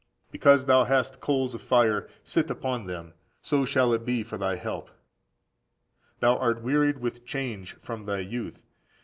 Because thou hast coals of fire, sit upon them; so shall it be for thy help. Thou art wearied with change from thy youth.